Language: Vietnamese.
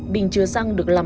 bình chứa xăng được lạc